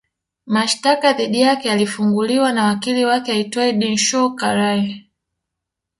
Mashtaka dhidi yake yalifunguliwa na wakili wake aitwae Dinshaw Karai